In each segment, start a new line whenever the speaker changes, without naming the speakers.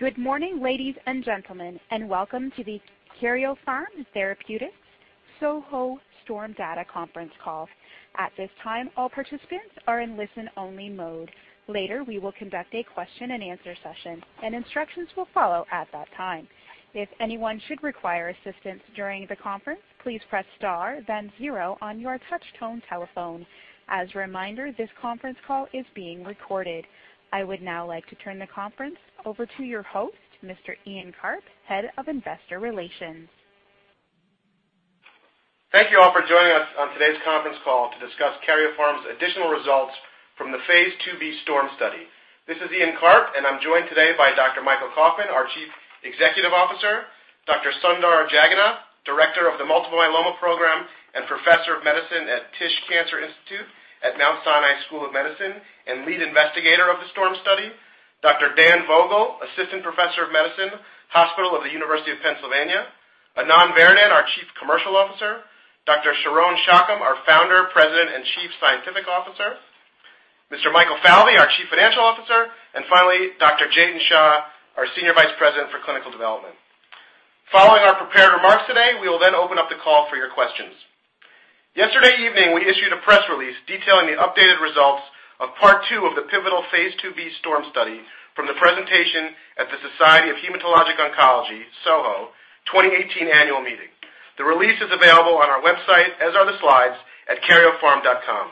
Good morning, ladies and gentlemen, welcome to the Karyopharm Therapeutics SOHO STORM Data Conference Call. At this time, all participants are in listen-only mode. Later, we will conduct a question-and-answer session, and instructions will follow at that time. If anyone should require assistance during the conference, please press star then 0 on your touch tone telephone. As a reminder, this conference call is being recorded. I would now like to turn the conference over to your host, Mr. Elhan Webb, Head of Investor Relations.
Thank you all for joining us on today's conference call to discuss Karyopharm's additional results from the Phase II-B STORM study. This is Elhan Webb, I'm joined today by Dr. Michael Kauffman, our Chief Executive Officer, Dr. Sundar Jagannath, Director of the Multiple Myeloma Program and Professor of Medicine at Tisch Cancer Institute at Mount Sinai School of Medicine and lead investigator of the STORM study, Dr. Dan Vogl, Assistant Professor of Medicine, Hospital of the University of Pennsylvania, Anand Varadan, our Chief Commercial Officer, Dr. Sharon Shacham, our Founder, President and Chief Scientific Officer, Mr. Michael Falvey, our Chief Financial Officer, finally, Dr. Jatin Shah, our Senior Vice President for Clinical Development. Following our prepared remarks today, we will then open up the call for your questions. Yesterday evening, we issued a press release detailing the updated results of part 2 of the pivotal Phase II-B STORM study from the presentation at the Society of Hematologic Oncology, SOHO, 2018 Annual Meeting. The release is available on our website, as are the slides, at karyopharm.com.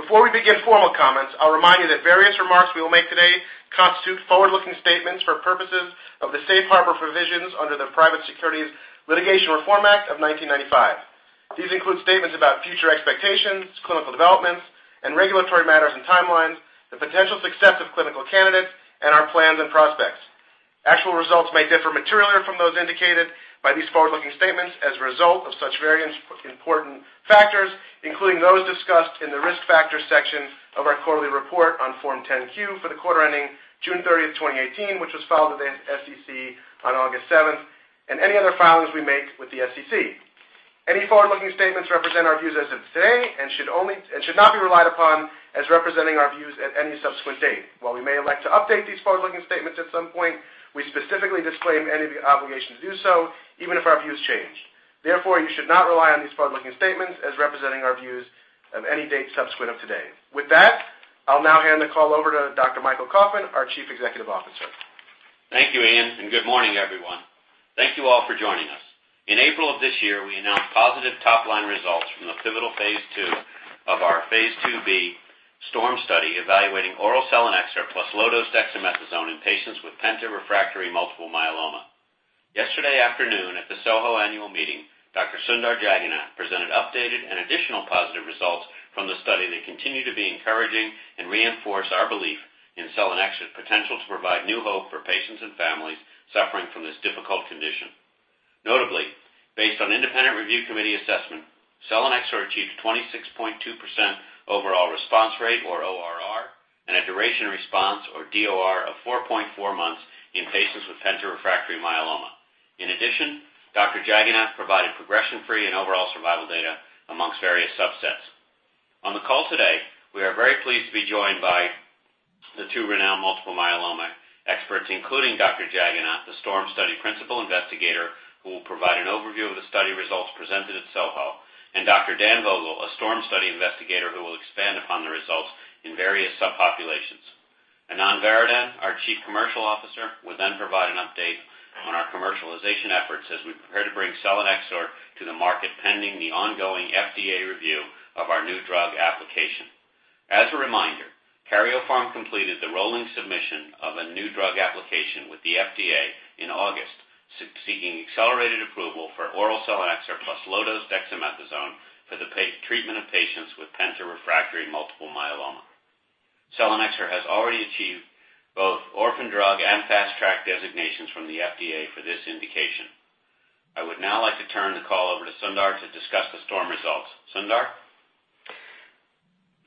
Before we begin formal comments, I'll remind you that various remarks we will make today constitute forward-looking statements for purposes of the safe harbor provisions under the Private Securities Litigation Reform Act of 1995. These include statements about future expectations, clinical developments, and regulatory matters and timelines, the potential success of clinical candidates, and our plans and prospects. Actual results may differ materially from those indicated by these forward-looking statements as a result of such various important factors, including those discussed in the Risk Factors section of our quarterly report on Form 10-Q for the quarter ending June 30th, 2018, which was filed with the SEC on August 7th, any other filings we make with the SEC. Any forward-looking statements represent our views as of today and should not be relied upon as representing our views at any subsequent date. While we may elect to update these forward-looking statements at some point, we specifically disclaim any of the obligation to do so, even if our views change. Therefore, you should not rely on these forward-looking statements as representing our views of any date subsequent of today. With that, I'll now hand the call over to Dr. Michael Kauffman, our Chief Executive Officer.
Thank you, Elhan, and good morning, everyone. Thank you all for joining us. In April of this year, we announced positive top-line results from the pivotal phase II of our phase II-B STORM study evaluating oral selinexor plus low-dose dexamethasone in patients with penta-refractory multiple myeloma. Yesterday afternoon at the SOHO annual meeting, Dr. Sundar Jagannath presented updated and additional positive results from the study that continue to be encouraging and reinforce our belief in selinexor's potential to provide new hope for patients and families suffering from this difficult condition. Notably, based on independent review committee assessment, selinexor achieved 26.2% overall response rate or ORR, and a duration response or DOR of 4.4 months in patients with penta-refractory myeloma. In addition, Dr. Jagannath provided progression-free and overall survival data amongst various subsets. On the call today, we are very pleased to be joined by the two renowned multiple myeloma experts, including Dr. Jagannath, the STORM Study Principal Investigator, who will provide an overview of the study results presented at SOHO, and Dr. Dan Vogl, a STORM Study Investigator who will expand upon the results in various subpopulations. Anand Varadan, our Chief Commercial Officer, will then provide an update on our commercialization efforts as we prepare to bring selinexor to the market pending the ongoing FDA review of our new drug application. As a reminder, Karyopharm completed the rolling submission of a new drug application with the FDA in August, seeking accelerated approval for oral selinexor plus low-dose dexamethasone for the treatment of patients with penta-refractory multiple myeloma. Selinexor has already achieved both orphan drug and fast track designations from the FDA for this indication. I would now like to turn the call over to Sundar to discuss the STORM results. Sundar.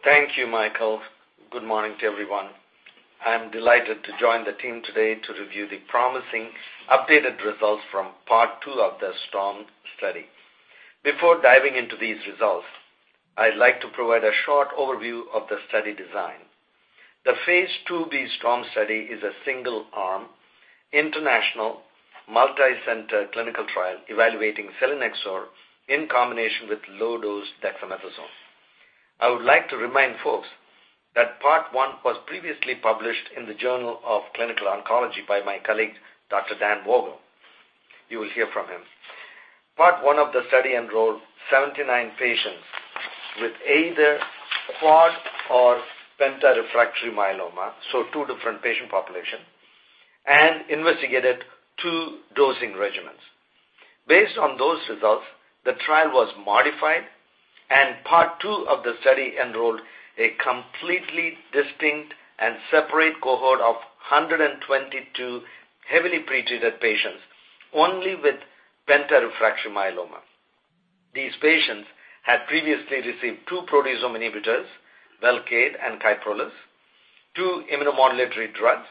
Thank you, Michael. Good morning to everyone. I'm delighted to join the team today to review the promising updated results from part two of the STORM study. Before diving into these results, I'd like to provide a short overview of the study design. The phase II-B STORM study is a single-arm, international, multi-center clinical trial evaluating selinexor in combination with low-dose dexamethasone. I would like to remind folks that part one was previously published in the Journal of Clinical Oncology by my colleague, Dr. Dan Vogl. You will hear from him. Part one of the study enrolled 79 patients with either quad-refractory or penta-refractory myeloma, so two different patient population, and investigated two dosing regimens. Based on those results, the trial was modified, and part two of the study enrolled a completely distinct and separate cohort of 122 heavily pretreated patients only with penta-refractory myeloma. These patients had previously received two proteasome inhibitors, VELCADE and KYPROLIS, two immunomodulatory drugs,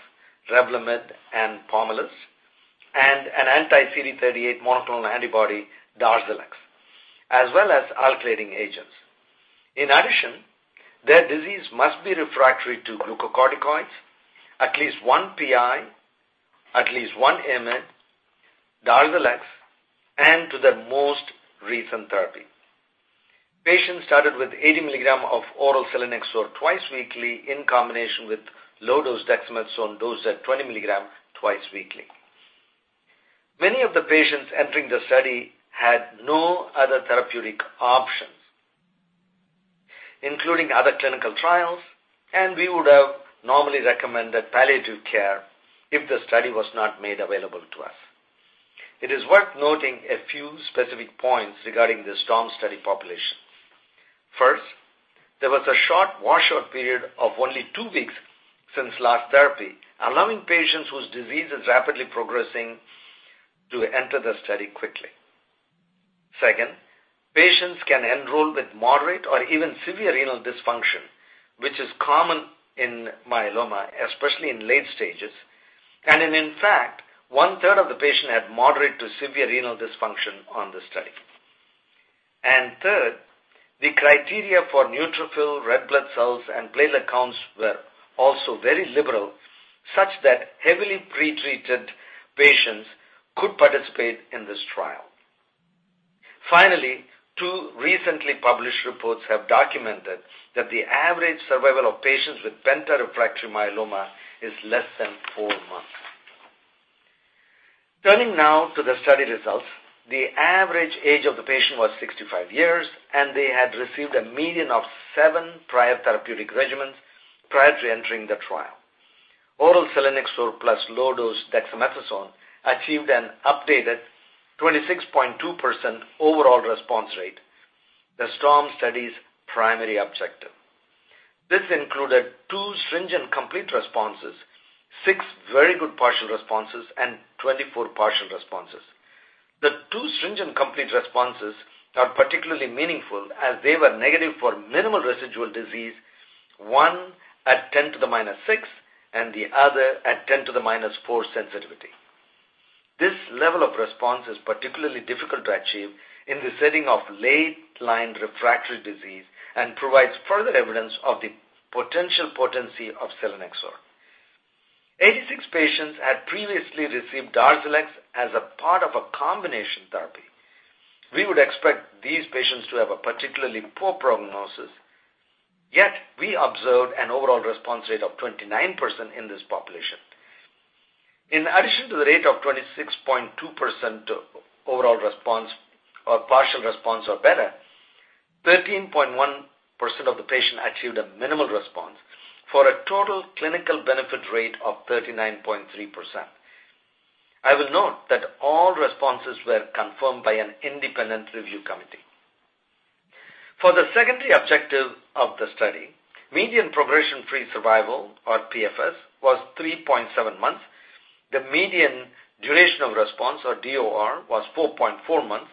REVLIMID and POMALYST, and an anti-CD38 monoclonal antibody, DARZALEX, as well as alkylating agents. In addition, their disease must be refractory to glucocorticoids, at least one PI, at least one IMiD, DARZALEX, and to the most recent therapy. Patients started with 80 mg of oral selinexor twice weekly in combination with low-dose dexamethasone dosed at 20 mg twice weekly. Many of the patients entering the study had no other therapeutic options, including other clinical trials, and we would have normally recommended palliative care if the study was not made available to us. It is worth noting a few specific points regarding the STORM study population. First, there was a short washout period of only 2 weeks since last therapy, allowing patients whose disease is rapidly progressing to enter the study quickly. Second, patients can enroll with moderate or even severe renal dysfunction, which is common in multiple myeloma, especially in late stages. In fact, one-third of the patients had moderate to severe renal dysfunction on the study. Third, the criteria for neutrophil, red blood cells, and platelet counts were also very liberal, such that heavily pretreated patients could participate in this trial. Finally, 2 recently published reports have documented that the average survival of patients with penta-refractory multiple myeloma is less than 4 months. Turning now to the study results, the average age of the patient was 65 years, and they had received a median of seven prior therapeutic regimens prior to entering the trial. Oral selinexor plus low-dose dexamethasone achieved an updated 26.2% overall response rate, the STORM study's primary objective. This included two stringent complete responses, six very good partial responses, and 24 partial responses. The 2 stringent complete responses are particularly meaningful as they were negative for minimal residual disease, one at 10 to the minus 6 and the other at 10 to the minus 4 sensitivity. This level of response is particularly difficult to achieve in the setting of late-line refractory disease and provides further evidence of the potential potency of selinexor. 86 patients had previously received DARZALEX as a part of a combination therapy. We would expect these patients to have a particularly poor prognosis, yet we observed an overall response rate of 29% in this population. In addition to the rate of 26.2% overall response or partial response or better, 13.1% of the patients achieved a minimal response for a total clinical benefit rate of 39.3%. I will note that all responses were confirmed by an independent review committee. For the secondary objective of the study, median progression-free survival, or PFS, was 3.7 months. The median duration of response, or DOR, was 4.4 months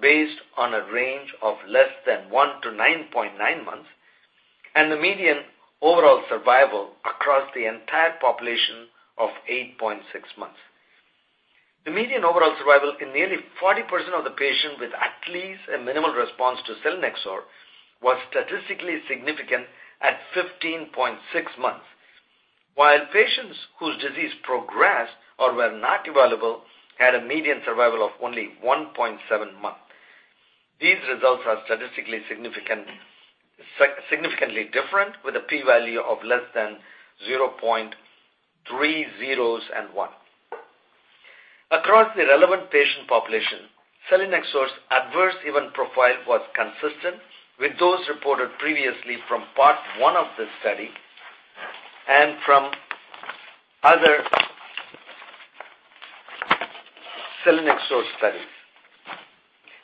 based on a range of less than one to 9.9 months, and the median overall survival across the entire population of 8.6 months. The median overall survival in nearly 40% of the patients with at least a minimal response to selinexor was statistically significant at 15.6 months, while patients whose disease progressed or were not evaluable had a median survival of only 1.7 months. These results are statistically significantly different, with a p-value of less than 0.0001. Across the relevant patient population, selinexor's adverse event profile was consistent with those reported previously from part one of this study and from other selinexor studies.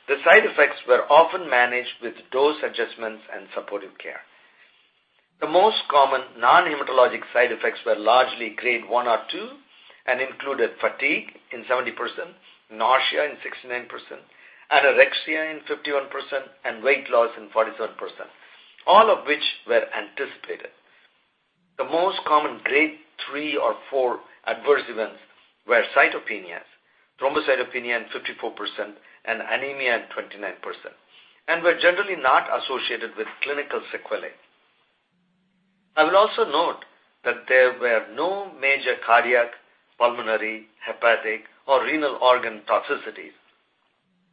The side effects were often managed with dose adjustments and supportive care. The most common non-hematologic side effects were largely grade 1 or 2 and included fatigue in 70%, nausea in 69%, anorexia in 51%, and weight loss in 47%, all of which were anticipated. The most common grade 3 or 4 adverse events were cytopenias, thrombocytopenia in 54%, and anemia in 29%, and were generally not associated with clinical sequelae. I will also note that there were no major cardiac, pulmonary, hepatic, or renal organ toxicities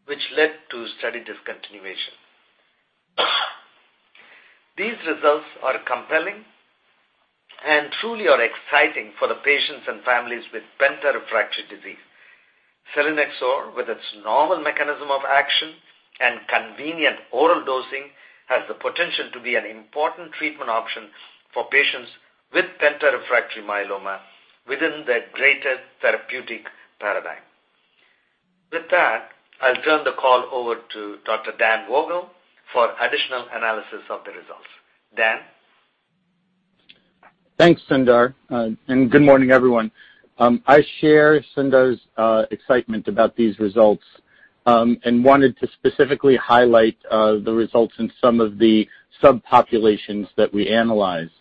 which led to study discontinuation. These results are compelling and truly are exciting for the patients and families with penta-refractory disease. Selinexor, with its novel mechanism of action and convenient oral dosing, has the potential to be an important treatment option for patients with penta-refractory myeloma within the greater therapeutic paradigm. With that, I'll turn the call over to Dr. Dan Vogl for additional analysis of the results. Dan?
Thanks, Sundar, and good morning, everyone. I share Sundar's excitement about these results and wanted to specifically highlight the results in some of the subpopulations that we analyzed.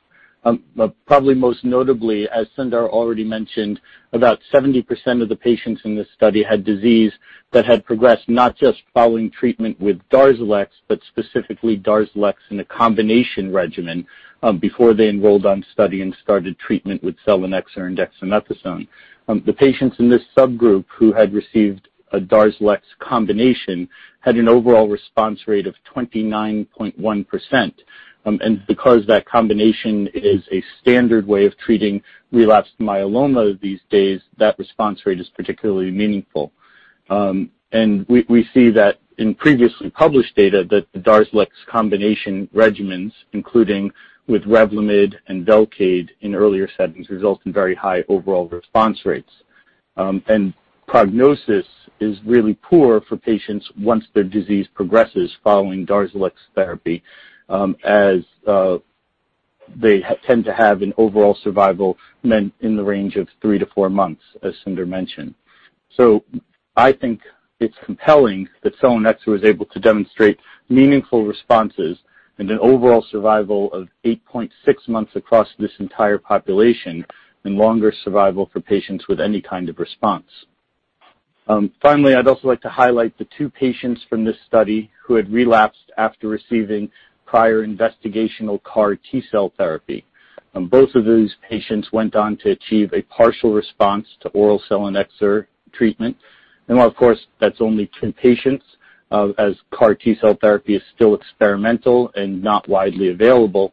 Probably most notably, as Sundar already mentioned, about 70% of the patients in this study had disease that had progressed not just following treatment with DARZALEX, but specifically DARZALEX in a combination regimen before they enrolled on study and started treatment with selinexor and dexamethasone. The patients in this subgroup who had received a DARZALEX combination had an overall response rate of 29.1%. Because that combination is a standard way of treating relapsed myeloma these days, that response rate is particularly meaningful. We see that in previously published data, that the DARZALEX combination regimens, including with REVLIMID and VELCADE in earlier settings, result in very high overall response rates. Prognosis is really poor for patients once their disease progresses following DARZALEX therapy, as they tend to have an overall survival in the range of 3 to 4 months, as Sundar mentioned. I think it's compelling that selinexor was able to demonstrate meaningful responses and an overall survival of 8.6 months across this entire population, and longer survival for patients with any kind of response. Finally, I'd also like to highlight the two patients from this study who had relapsed after receiving prior investigational CAR T-cell therapy. Both of those patients went on to achieve a partial response to oral selinexor treatment. While, of course, that's only two patients, as CAR T-cell therapy is still experimental and not widely available,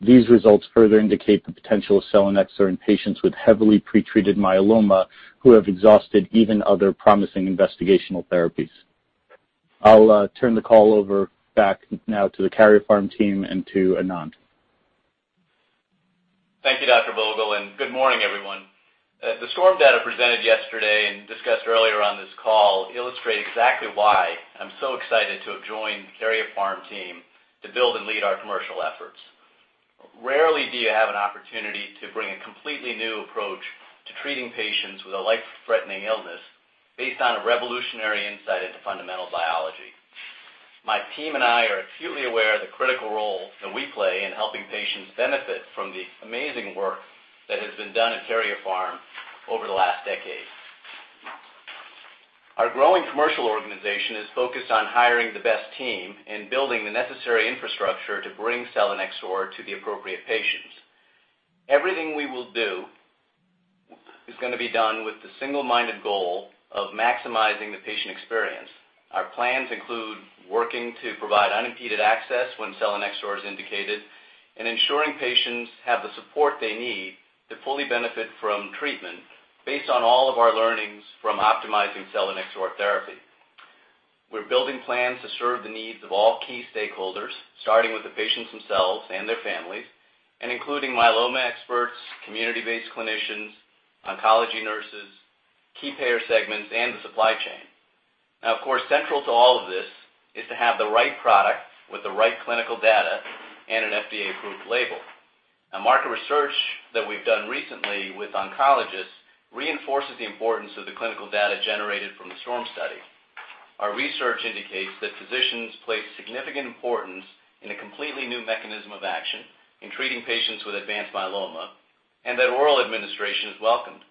these results further indicate the potential of selinexor in patients with heavily pretreated myeloma who have exhausted even other promising investigational therapies. I'll turn the call over back now to the Karyopharm team and to Anand.
Thank you, Dr. Vogl, and good morning, everyone. The STORM data presented yesterday and discussed earlier on this call illustrate exactly why I'm so excited to have joined the Karyopharm team to build and lead our commercial efforts. Rarely do you have an opportunity to bring a completely new approach to treating patients with a life-threatening illness based on a revolutionary insight into fundamental biology. My team and I are acutely aware of the critical role that we play in helping patients benefit from the amazing work that has been done at Karyopharm over the last decade. Our growing commercial organization is focused on hiring the best team and building the necessary infrastructure to bring selinexor to the appropriate patients. Everything we will do is going to be done with the single-minded goal of maximizing the patient experience. Our plans include working to provide unimpeded access when selinexor is indicated and ensuring patients have the support they need to fully benefit from treatment, based on all of our learnings from optimizing selinexor therapy. We're building plans to serve the needs of all key stakeholders, starting with the patients themselves and their families, and including myeloma experts, community-based clinicians, oncology nurses, key payer segments, and the supply chain. Of course, central to all of this is to have the right product with the right clinical data and an FDA-approved label. Market research that we've done recently with oncologists reinforces the importance of the clinical data generated from the STORM study. Our research indicates that physicians place significant importance in a completely new mechanism of action in treating patients with advanced myeloma, and that oral administration is welcomed.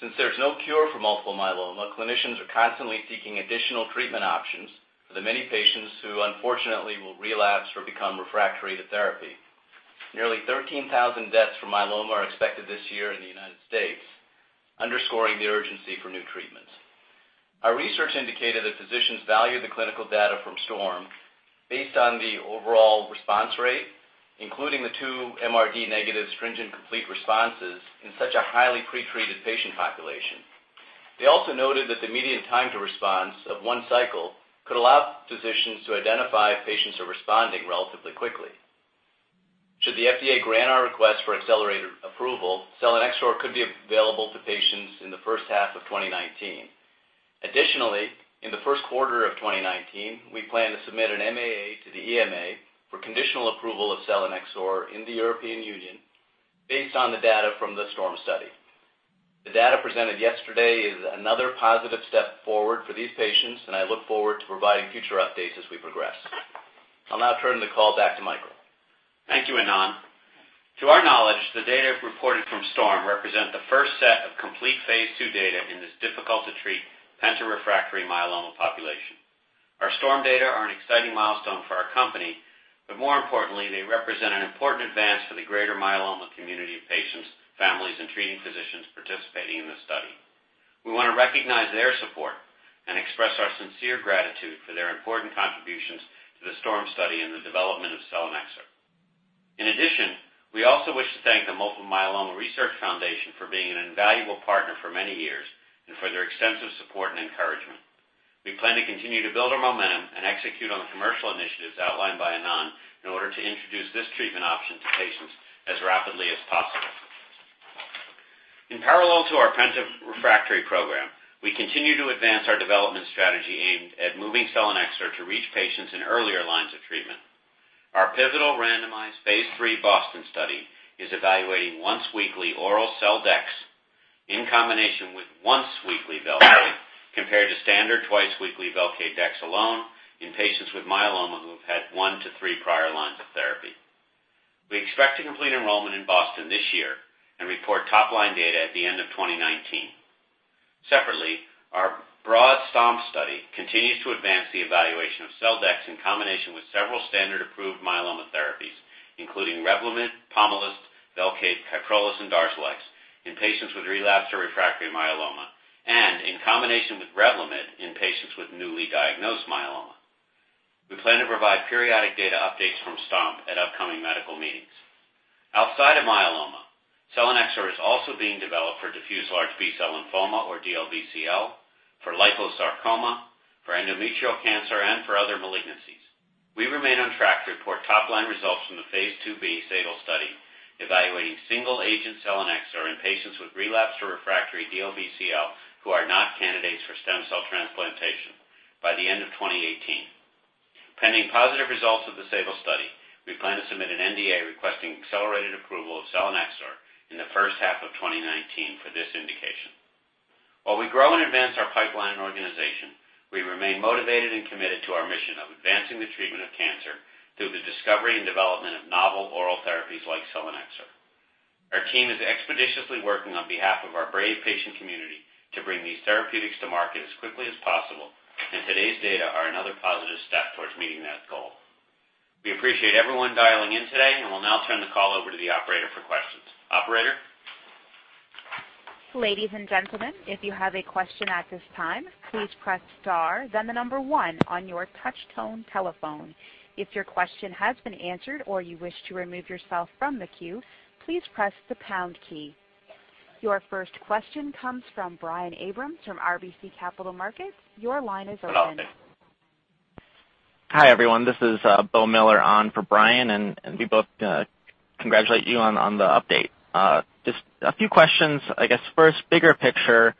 Since there's no cure for multiple myeloma, clinicians are constantly seeking additional treatment options for the many patients who unfortunately will relapse or become refractory to therapy. Nearly 13,000 deaths from myeloma are expected this year in the U.S., underscoring the urgency for new treatments. Our research indicated that physicians value the clinical data from STORM based on the overall response rate, including the two MRD negative stringent complete responses in such a highly pretreated patient population. They also noted that the median time to response of one cycle could allow physicians to identify if patients are responding relatively quickly. Should the FDA grant our request for accelerated approval, selinexor could be available to patients in the first half of 2019. Additionally, in the first quarter of 2019, we plan to submit an MAA to the EMA for conditional approval of selinexor in the European Union based on the data from the STORM study. The data presented yesterday is another positive step forward for these patients, and I look forward to providing future updates as we progress. I'll now turn the call back to Michael.
Thank you, Anand. To our knowledge, the data reported from STORM represent the first set of complete phase II data in this difficult-to-treat penta-refractory myeloma population. Our STORM data are an exciting milestone for our company, but more importantly, they represent an important advance for the greater myeloma community of patients, families, and treating physicians participating in this study. We want to recognize their support and express our sincere gratitude for their important contributions to the STORM study and the development of selinexor. In addition, we also wish to thank the Multiple Myeloma Research Foundation for being an invaluable partner for many years and for their extensive support and encouragement. We plan to continue to build our momentum and execute on the commercial initiatives outlined by Anand in order to introduce this treatment option to patients as rapidly as possible. In parallel to our penta-refractory program, we continue to advance our development strategy aimed at moving selinexor to reach patients in earlier lines of treatment. Our pivotal randomized phase III BOSTON study is evaluating once-weekly oral sel-dex In combination with once-weekly VELCADE compared to standard twice-weekly VELCADE dexamethasone alone in patients with myeloma who have had one to three prior lines of therapy. We expect to complete enrollment in BOSTON this year and report top-line data at the end of 2019. Our broad STOMP study continues to advance the evaluation of sel-dex in combination with several standard approved myeloma therapies, including REVLIMID, POMALYST, VELCADE, KYPROLIS, and DARZALEX in patients with relapsed or refractory myeloma, and in combination with REVLIMID in patients with newly diagnosed myeloma. We plan to provide periodic data updates from STOMP at upcoming medical meetings. Outside of myeloma, selinexor is also being developed for diffuse large B-cell lymphoma, or DLBCL, for liposarcoma, for endometrial cancer, and for other malignancies. We remain on track to report top-line results from the phase II-B SADAL study evaluating single-agent selinexor in patients with relapsed or refractory DLBCL who are not candidates for stem cell transplantation by the end of 2018. Pending positive results of the SADAL study, we plan to submit an NDA requesting accelerated approval of selinexor in the first half of 2019 for this indication. We grow and advance our pipeline and organization, we remain motivated and committed to our mission of advancing the treatment of cancer through the discovery and development of novel oral therapies like selinexor. Our team is expeditiously working on behalf of our brave patient community to bring these therapeutics to market as quickly as possible, and today's data are another positive step towards meeting that goal. We appreciate everyone dialing in today, and we'll now turn the call over to the operator for questions. Operator?
Ladies and gentlemen, if you have a question at this time, please press star, then the number 1 on your touchtone telephone. If your question has been answered or you wish to remove yourself from the queue, please press the pound key. Your first question comes from Brian Abrahams from RBC Capital Markets. Your line is open.
Hello. Hi, everyone. This is Beau Miller on for Brian. We both congratulate you on the update. Just a few questions. I guess first, bigger picture,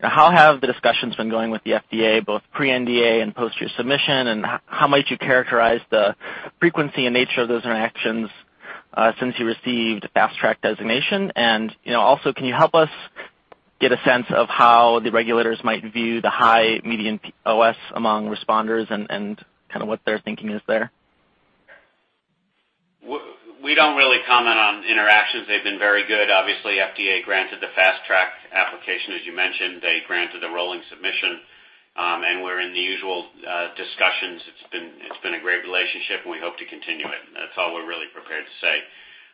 how have the discussions been going with the FDA, both pre-NDA and post your submission, and how might you characterize the frequency and nature of those interactions since you received the Fast Track designation? Can you help us get a sense of how the regulators might view the high median OS among responders and what their thinking is there?
We don't really comment on interactions. They've been very good. Obviously, FDA granted the Fast Track application, as you mentioned. They granted a rolling submission. We're in the usual discussions. It's been a great relationship. We hope to continue it, and that's all we're really prepared to say.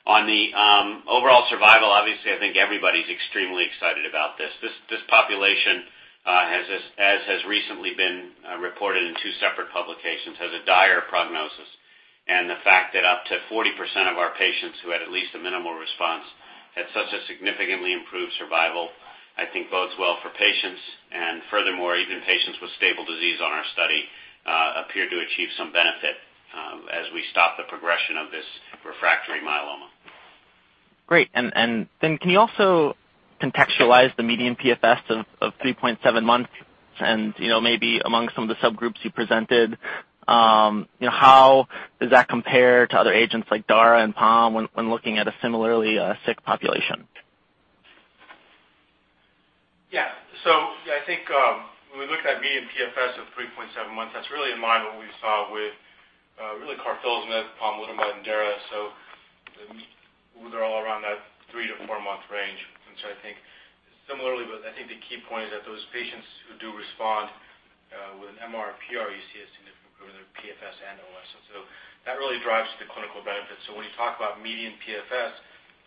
On the overall survival, obviously, I think everybody's extremely excited about this. This population, as has recently been reported in two separate publications, has a dire prognosis. The fact that up to 40% of our patients who had at least a minimal response had such a significantly improved survival, I think bodes well for patients. Furthermore, even patients with stable disease on our study appear to achieve some benefit as we stop the progression of this refractory myeloma.
Great. Can you also contextualize the median PFS of 3.7 months and maybe among some of the subgroups you presented, how does that compare to other agents like daratumumab and Pom when looking at a similarly sick population?
I think when we look at median PFS of 3.7 months, that's really in line with what we saw with really carfilzomib, pomalidomide, and daratumumab. They're all around that three- to four-month range. I think similarly, I think the key point is that those patients who do respond with an MR or PR, you see a significant improvement in their PFS and OS. That really drives the clinical benefit. When you talk about median PFS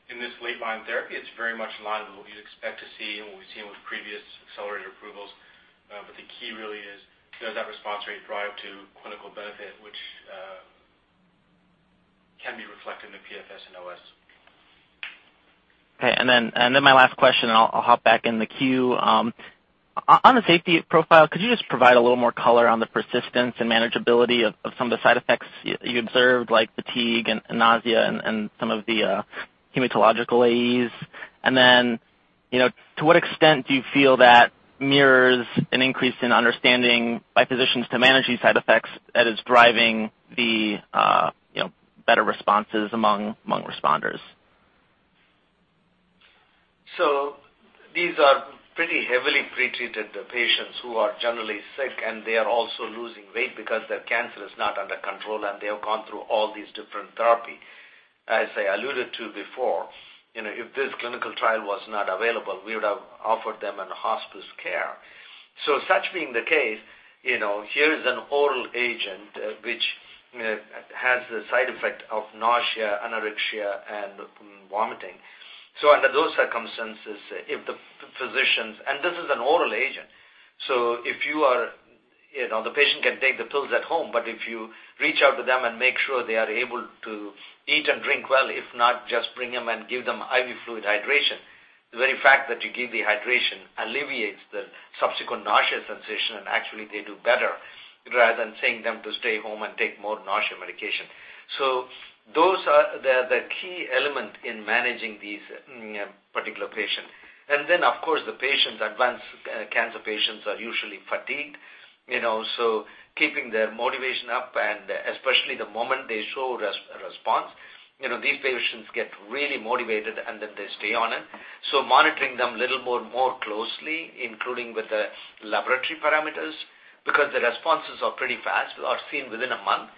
in this late-line therapy, it's very much in line with what we'd expect to see and what we've seen with previous accelerated approvals. The key really is does that response rate drive to clinical benefit, which can be reflected in the PFS and OS.
My last question, and I'll hop back in the queue. On the safety profile, could you just provide a little more color on the persistence and manageability of some of the side effects you observed, like fatigue and nausea and some of the hematological AEs? To what extent do you feel that mirrors an increase in understanding by physicians to manage these side effects that is driving the better responses among responders?
These are pretty heavily pretreated patients who are generally sick, they are also losing weight because their cancer is not under control, and they have gone through all these different therapy. As I alluded to before, if this clinical trial was not available, we would have offered them a hospice care. Such being the case, here is an oral agent, which has the side effect of nausea, anorexia, and vomiting. Under those circumstances, this is an oral agent, so the patient can take the pills at home, but if you reach out to them and make sure they are able to eat and drink well, if not, just bring them and give them IV fluid hydration. The very fact that you give the hydration alleviates the subsequent nausea sensation, and actually, they do better, rather than saying them to stay home and take more nausea medication. Those are the key element in managing these particular patients. Of course, the patients, advanced cancer patients, are usually fatigued. Keeping their motivation up, and especially the moment they show response, these patients get really motivated and then they stay on it. Monitoring them a little more closely, including with the laboratory parameters, because the responses are pretty fast, are seen within a month.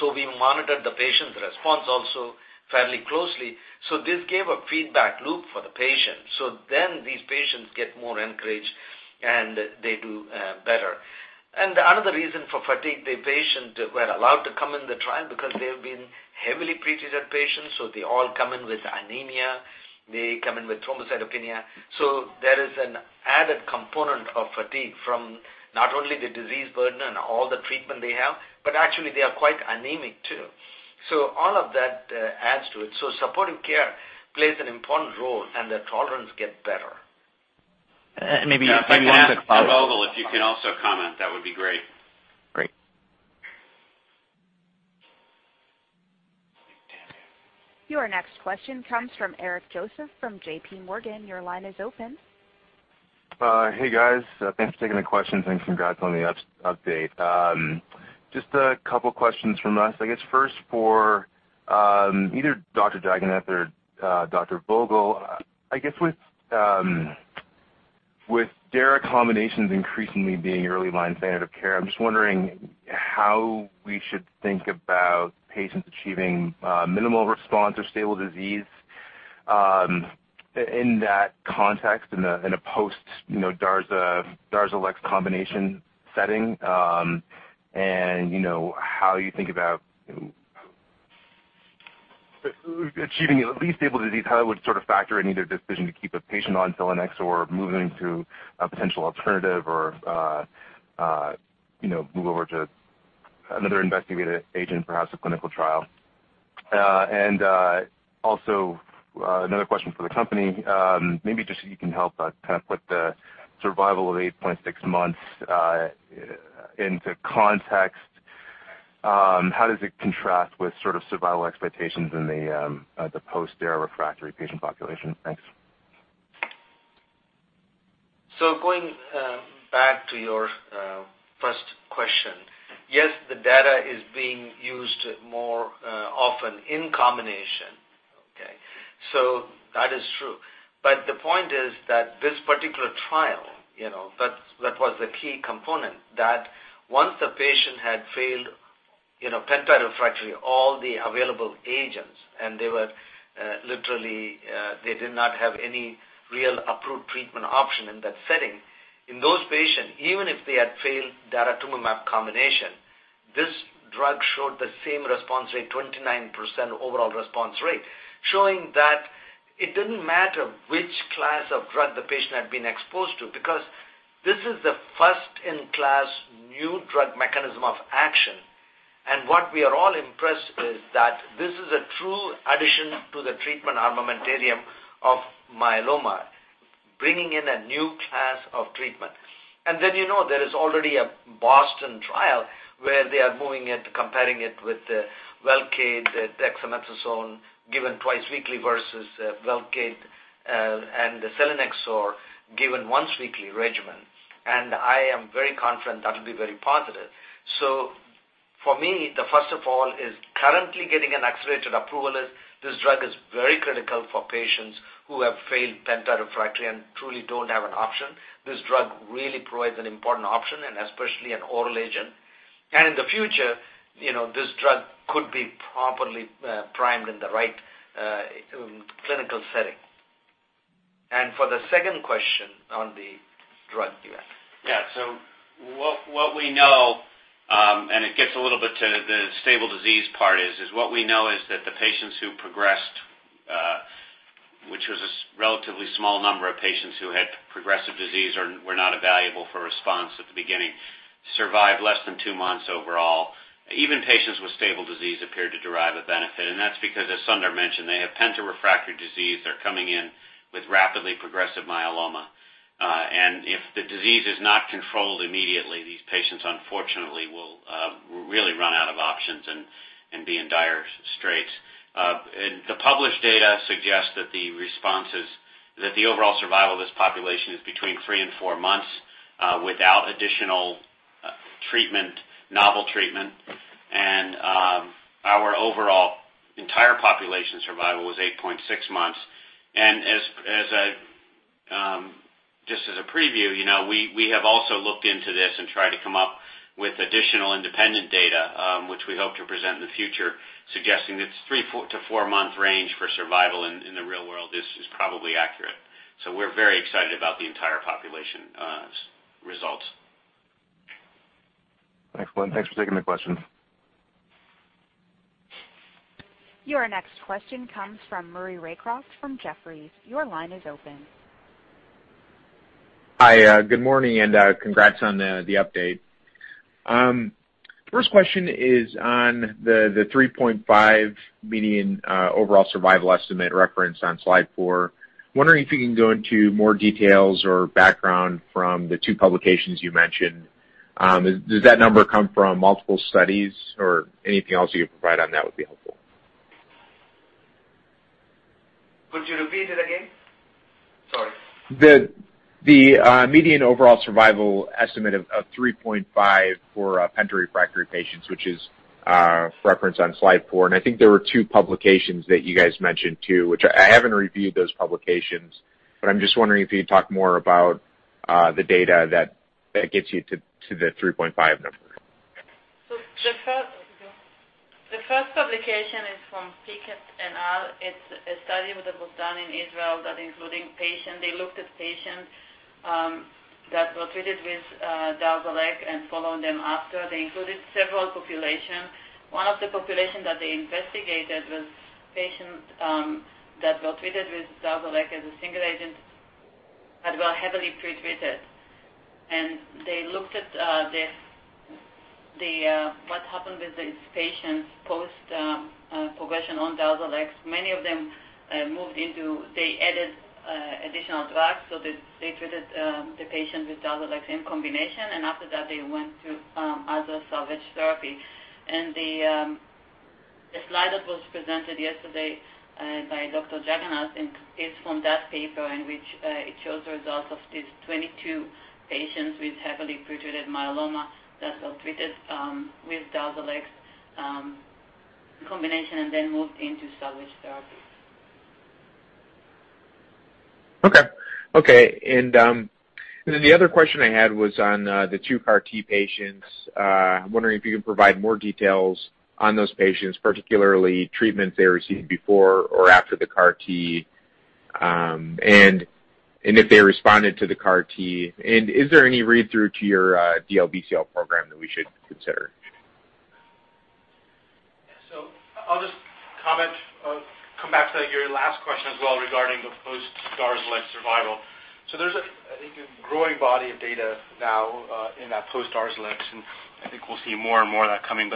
We monitor the patient's response also fairly closely. This gave a feedback loop for the patient. These patients get more encouraged, and they do better. Another reason for fatigue, the patients were allowed to come in the trial because they have been heavily pre-treated patients. They all come in with anemia. They come in with thrombocytopenia. There is an added component of fatigue from not only the disease burden and all the treatment they have, but actually they are quite anemic too. All of that adds to it. Supportive care plays an important role, and their tolerance gets better.
If I can ask Vogl if you can also comment, that would be great.
Great.
Your next question comes from Eric Joseph from JPMorgan. Your line is open.
Hey, guys. Thanks for taking the questions and congrats on the update. Just a couple questions from us. I guess first for either Dr. Jagannath or Dr. Vogl. I guess with dara combinations increasingly being early line standard of care, I am just wondering how we should think about patients achieving minimal response or stable disease, in that context, in a post-DARZALEX combination setting. How you think about achieving at least stable disease, how that would sort of factor in either decision to keep a patient on selinexor moving to a potential alternative or move over to another investigative agent, perhaps a clinical trial. Another question for the company. Maybe just you can help us kind of put the survival of 8.6 months into context. How does it contrast with sort of survival expectations in the post-dara refractory patient population? Thanks.
Going back to your first question, yes, the dara is being used more often in combination. Okay? That is true. The point is that this particular trial, that was the key component, that once the patient had failed penta-refractory, all the available agents, they were literally, they did not have any real approved treatment option in that setting. In those patients, even if they had failed daratumumab combination, this drug showed the same response rate, 29% overall response rate, showing that it didn't matter which class of drug the patient had been exposed to because this is the first-in-class new drug mechanism of action. What we are all impressed is that this is a true addition to the treatment armamentarium of myeloma, bringing in a new class of treatment. Then, you know, there is already a BOSTON trial where they are moving it, comparing it with the VELCADE, dexamethasone, given twice weekly versus VELCADE, and the selinexor given once weekly regimen. I am very confident that will be very positive. For me, the first of all is currently getting an accelerated approval is this drug is very critical for patients who have failed penta-refractory and truly don't have an option. This drug really provides an important option and especially an oral agent. In the future, this drug could be properly primed in the right clinical setting. For the second question on the drug, yes.
Yeah. What we know, and it gets a little bit to the stable disease part is what we know is that the patients who progressed, which was a relatively small number of patients who had progressive disease or were not evaluable for response at the beginning, survived less than two months overall. Even patients with stable disease appeared to derive a benefit. That's because, as Sundar mentioned, they have penta-refractory disease. They're coming in with rapidly progressive myeloma. If the disease is not controlled immediately, these patients unfortunately will really run out of options and be in dire straits. The published data suggests that the responses, that the overall survival of this population is between three and four months without additional novel treatment, and our overall entire population survival was 8.6 months. Just as a preview, we have also looked into this and tried to come up with additional independent data, which we hope to present in the future, suggesting this three to four-month range for survival in the real world is probably accurate. We're very excited about the entire population results.
Thanks. Thanks for taking the question.
Your next question comes from Maury Raycroft from Jefferies. Your line is open.
Hi, good morning, congrats on the update. First question is on the 3.5 median overall survival estimate referenced on slide four. Wondering if you can go into more details or background from the two publications you mentioned. Does that number come from multiple studies, or anything else you can provide on that would be helpful.
Could you repeat it again? Sorry.
The median overall survival estimate of 3.5 for penta-refractory patients, which is referenced on slide four. I think there were two publications that you guys mentioned too, which I haven't reviewed those publications, but I'm just wondering if you could talk more about the data that gets you to the 3.5 number.
The first publication is from Pickett et al. It's a study that was done in Israel including patients. They looked at patients that were treated with DARZALEX and followed them after. They included several populations. One of the populations that they investigated was patients that were treated with DARZALEX as a single agent that were heavily pre-treated. They looked at what happened with these patients post-progression on DARZALEX. They added additional drugs. They treated the patients with DARZALEX in combination, and after that, they went to other salvage therapy. The slide that was presented yesterday by Dr. Jagannath is from that paper, in which it shows the results of these 22 patients with heavily pre-treated myeloma that were treated with DARZALEX in combination and then moved into salvage therapy.
Okay. Then the other question I had was on the two CAR T patients. I'm wondering if you can provide more details on those patients, particularly treatment they received before or after the CAR T, and if they responded to the CAR T. Is there any read-through to your DLBCL program that we should consider?
I'll just comment, come back to your last question as well regarding the post-DARZALEX survival. There's, I think, a growing body of data now in that post-DARZALEX, and I think we'll see more and more of that coming.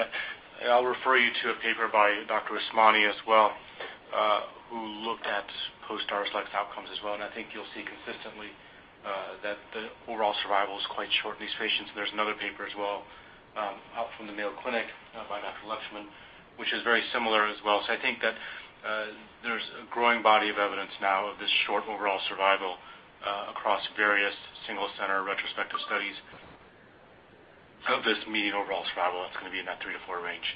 I'll refer you to a paper by Dr. Usmani as well, who looked at post-DARZALEX outcomes as well. I think you'll see consistently that the overall survival is quite short in these patients. There's another paper as well out from the Mayo Clinic by Dr. Lakshman, which is very similar as well. I think that there's a growing body of evidence now of this short overall survival across various single-center retrospective studies of this median overall survival that's going to be in that 3 to 4 range.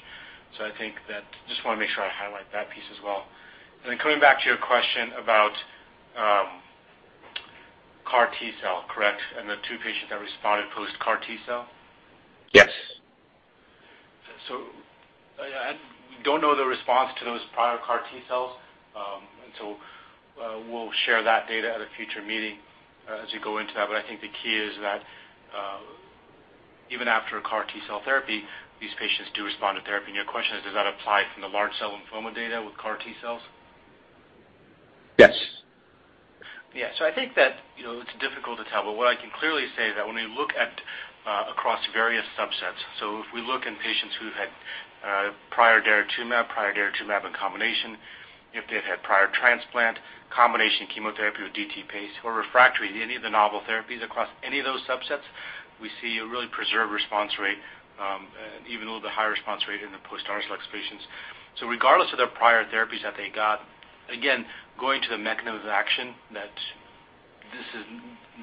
I think that I just want to make sure I highlight that piece as well. Coming back to your question about CAR T-cell, correct, and the two patients that responded post-CAR T-cell?
Yes.
I don't know the response to those prior CAR T-cells. We'll share that data at a future meeting as we go into that. I think the key is that even after a CAR T-cell therapy, these patients do respond to therapy. Your question is, does that apply from the large cell lymphoma data with CAR T-cells?
Yes.
Yeah. I think that it's difficult to tell. What I can clearly say is that when we look at across various subsets, if we look in patients who had prior daratumumab, prior daratumumab in combination, if they've had prior transplant, combination chemotherapy with DTPACE, or refractory, any of the novel therapies across any of those subsets, we see a really preserved response rate, even a little bit higher response rate in the post-DARZALEX patients. Regardless of their prior therapies that they got, again, going to the mechanism of action that this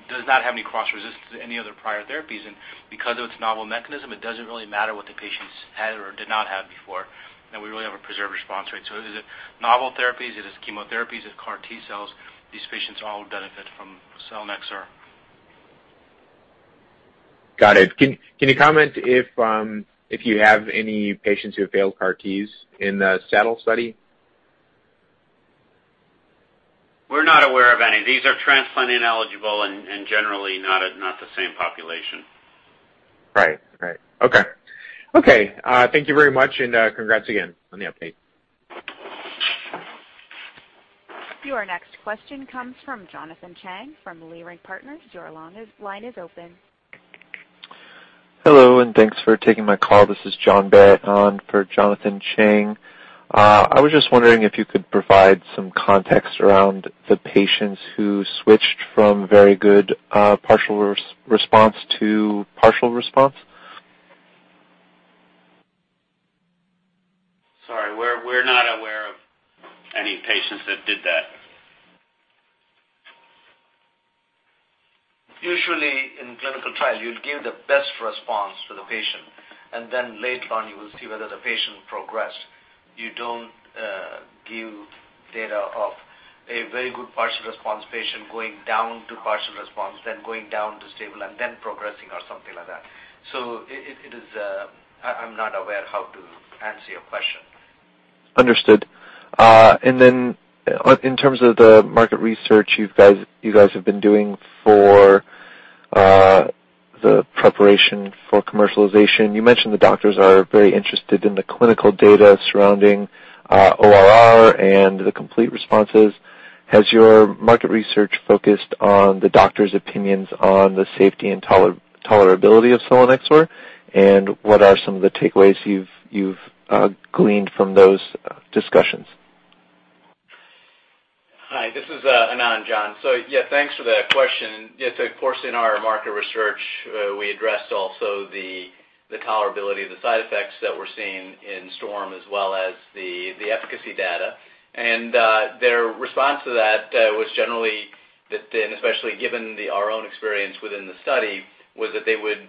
does not have any cross-resistance to any other prior therapies. Because of its novel mechanism, it doesn't really matter what the patients had or did not have before. We really have a preserved response rate. Is it novel therapies? Is it chemotherapies? Is it CAR T-cells? These patients all benefit from selinexor.
Got it. Can you comment if you have any patients who have failed CAR Ts in the SADAL study?
We're not aware of any. These are transplant-ineligible and generally not the same population.
Right. Okay. Thank you very much, and congrats again on the update.
Your next question comes from Jonathan Chang from Leerink Partners. Your line is open.
Hello, thanks for taking my call. This is John Bae on for Jonathan Chang. I was just wondering if you could provide some context around the patients who switched from Very Good Partial Response to Partial Response.
Sorry, we're not aware of any patients that did that.
Usually in clinical trial, you'll give the best response to the patient, then later on you will see whether the patient progressed. You don't give data of a Very Good Partial Response patient going down to Partial Response, then going down to stable and then progressing or something like that. I'm not aware how to answer your question.
Understood. Then in terms of the market research you guys have been doing for the preparation for commercialization, you mentioned the doctors are very interested in the clinical data surrounding ORR and the complete responses. Has your market research focused on the doctors' opinions on the safety and tolerability of selinexor? What are some of the takeaways you've gleaned from those discussions?
Hi, this is Anand, John. Thanks for that question. Of course, in our market research, we addressed also the tolerability of the side effects that we're seeing in STORM as well as the efficacy data. Their response to that was generally, especially given our own experience within the study, that they would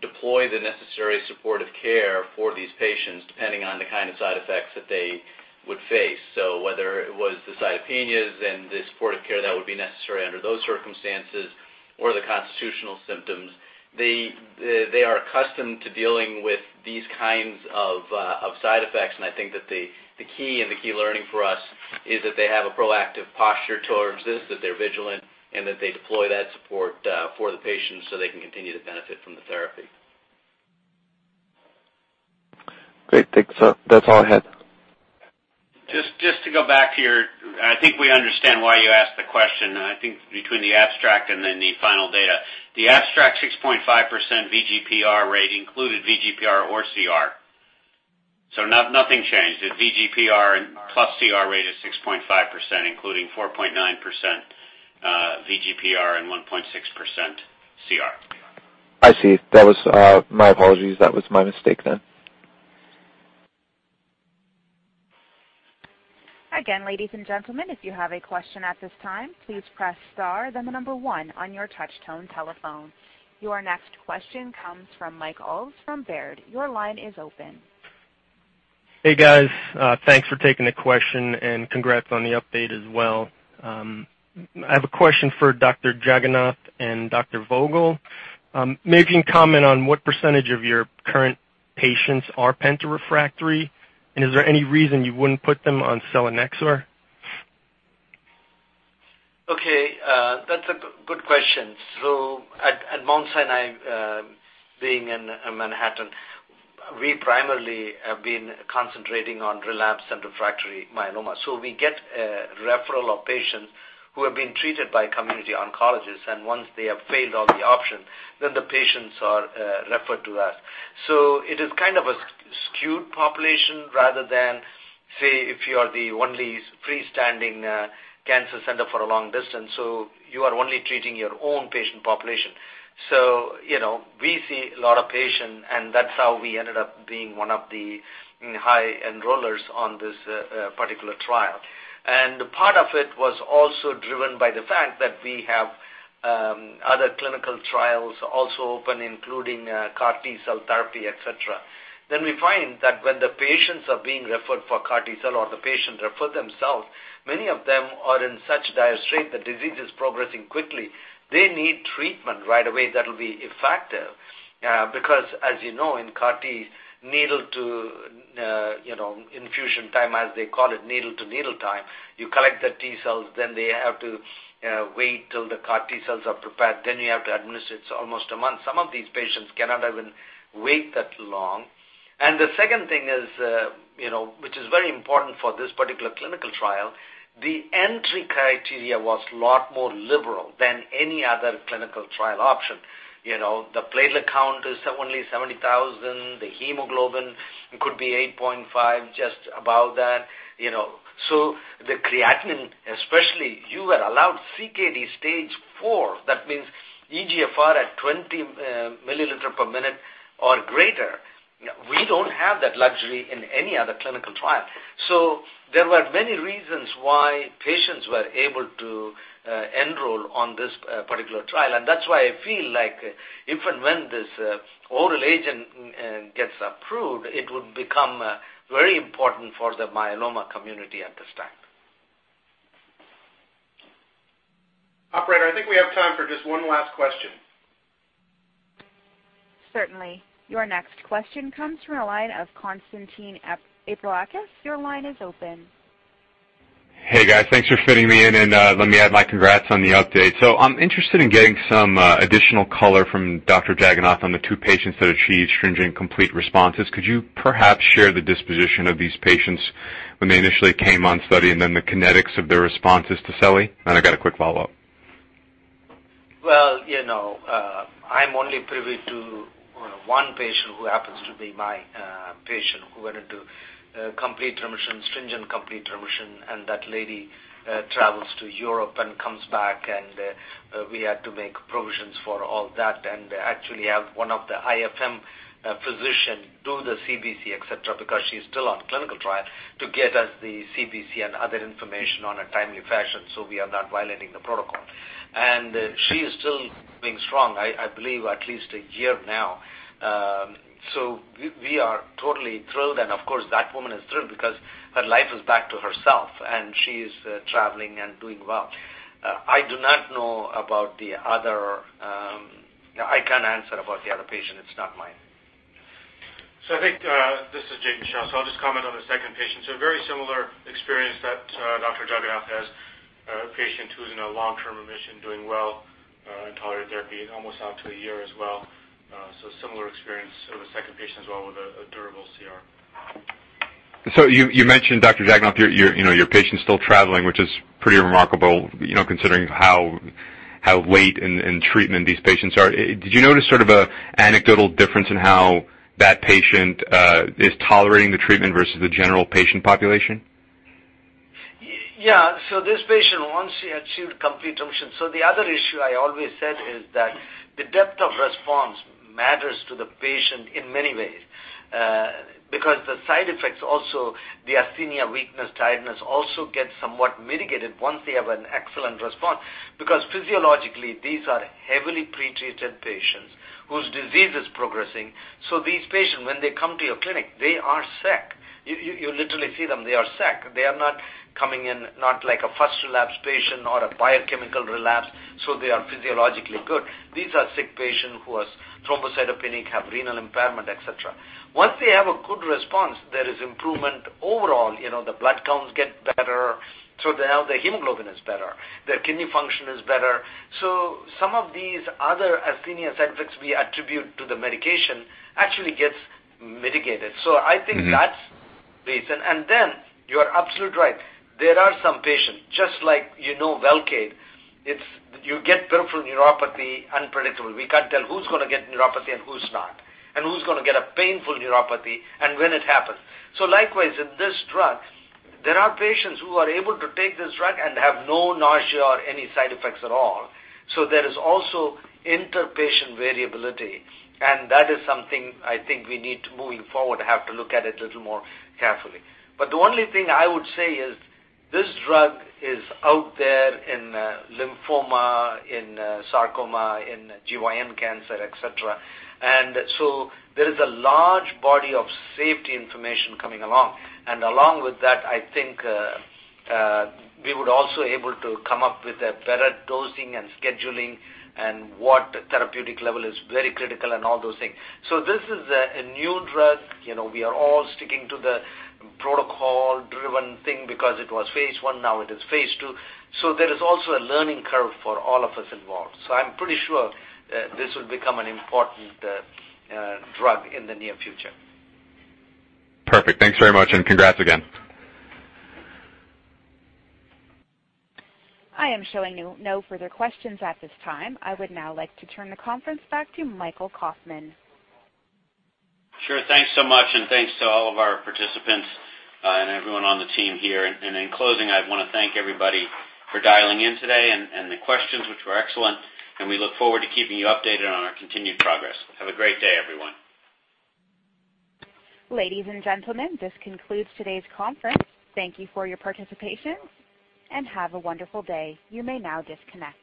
deploy the necessary supportive care for these patients, depending on the kind of side effects that they would face. Whether it was the cytopenias and the supportive care that would be necessary under those circumstances or the constitutional symptoms, they are accustomed to dealing with these kinds of side effects. I think that the key learning for us is that they have a proactive posture towards this, that they're vigilant, and that they deploy that support for the patients so they can continue to benefit from the therapy.
Great. Thanks. That's all I had.
Just to go back here. I think we understand why you asked the question. I think between the abstract and then the final data. The abstract 6.5% VGPR rate included VGPR or CR. Nothing changed. The VGPR plus CR rate is 6.5%, including 4.9% VGPR and 1.6% CR.
I see. My apologies. That was my mistake then.
Again, ladies and gentlemen, if you have a question at this time, please press star then the number one on your touch-tone telephone. Your next question comes from Michael Ulz from Baird. Your line is open.
Hey, guys. Thanks for taking the question and congrats on the update as well. I have a question for Dr. Jagannath and Dr. Vogl. Maybe you can comment on what percentage of your current patients are penta-refractory, and is there any reason you wouldn't put them on selinexor?
That's a good question. At Mount Sinai, being in Manhattan, we primarily have been concentrating on relapse and refractory myeloma. We get a referral of patients who have been treated by community oncologists, and once they have failed all the options, the patients are referred to us. It is kind of a skewed population rather than, say, if you are the only freestanding cancer center for a long distance, you are only treating your own patient population. We see a lot of patients, and that's how we ended up being one of the high enrollers on this particular trial. Part of it was also driven by the fact that we have other clinical trials also open, including CAR T-cell therapy, et cetera. We find that when the patients are being referred for CAR T-cell or the patient refer themselves, many of them are in such dire straits, the disease is progressing quickly. They need treatment right away that will be effective. Because as you know, in CAR T, needle to infusion time, as they call it, needle-to-needle time, you collect the T-cells, then they have to wait till the CAR T-cells are prepared, then you have to administer it, almost a month. Some of these patients cannot even wait that long. The second thing is, which is very important for this particular clinical trial, the entry criteria was a lot more liberal than any other clinical trial option. The platelet count is only 70,000. The hemoglobin could be 8.5, just above that. The creatinine, especially, you are allowed CKD stage 4. That means eGFR at 20 milliliter per minute or greater. We don't have that luxury in any other clinical trial. There were many reasons why patients were able to enroll on this particular trial. That's why I feel like even when this oral agent gets approved, it would become very important for the myeloma community at this time.
Operator, I think we have time for just one last question.
Certainly. Your next question comes from the line of Konstantinos Aprilakis. Your line is open.
Hey, guys. Let me add my congrats on the update. I'm interested in getting some additional color from Dr. Jagannath on the two patients that achieved stringent complete responses. Could you perhaps share the disposition of these patients when they initially came on study and then the kinetics of their responses to seli? I got a quick follow-up.
Well, I'm only privy to one patient who happens to be my patient, who went into complete remission, stringent complete remission. That lady travels to Europe and comes back, and we had to make provisions for all that and actually have one of the IFM physicians do the CBC, et cetera, because she's still on clinical trial to get us the CBC and other information on a timely fashion so we are not violating the protocol. She is still being strong, I believe at least a year now. We are totally thrilled, and of course, that woman is thrilled because her life is back to herself and she is traveling and doing well. I can't answer about the other patient. It's not mine.
I think, this is Jatin Shah. I'll just comment on the second patient. A very similar experience that Dr. Jagannath has. A patient who's in a long-term remission, doing well and tolerating therapy, almost out to a year as well. Similar experience of a second patient as well with a durable CR.
You mentioned, Dr. Jagannath, your patient's still traveling, which is pretty remarkable, considering how late in treatment these patients are. Did you notice sort of an anecdotal difference in how that patient is tolerating the treatment versus the general patient population?
This patient, once she achieved complete remission. The other issue I always said is that the depth of response matters to the patient in many ways. The side effects also, the asthenia, weakness, tiredness also gets somewhat mitigated once they have an excellent response. Physiologically, these are heavily pretreated patients whose disease is progressing. These patients, when they come to your clinic, they are sick. You literally see them, they are sick. They are not coming in, not like a first relapse patient or a biochemical relapse, so they are physiologically good. These are sick patients who has thrombocytopenic, have renal impairment, et cetera. Once they have a good response, there is improvement overall. The blood counts get better, so now their hemoglobin is better, their kidney function is better. Some of these other asthenia side effects we attribute to the medication actually gets mitigated. I think that's reason. You are absolutely right. There are some patients, just like you know VELCADE, you get peripheral neuropathy unpredictable. We can't tell who's going to get neuropathy and who's not, and who's going to get a painful neuropathy and when it happens. Likewise, with this drug, there are patients who are able to take this drug and have no nausea or any side effects at all. There is also inter-patient variability, and that is something I think we need to, moving forward, have to look at it little more carefully. The only thing I would say is this drug is out there in lymphoma, in sarcoma, in GYN cancer, et cetera. There is a large body of safety information coming along. Along with that, I think we would also able to come up with a better dosing and scheduling and what therapeutic level is very critical and all those things. This is a new drug. We are all sticking to the protocol-driven thing because it was phase I, now it is phase II. There is also a learning curve for all of us involved. I'm pretty sure this will become an important drug in the near future.
Perfect. Thanks very much. Congrats again.
I am showing no further questions at this time. I would now like to turn the conference back to Michael Kauffman.
Sure. Thanks so much. Thanks to all of our participants and everyone on the team here. In closing, I want to thank everybody for dialing in today and the questions which were excellent, we look forward to keeping you updated on our continued progress. Have a great day, everyone.
Ladies and gentlemen, this concludes today's conference. Thank you for your participation, and have a wonderful day. You may now disconnect.